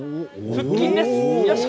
腹筋です。